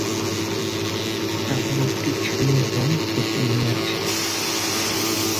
তাদের একটি ছেলে এবং একটি মেয়ে আছে।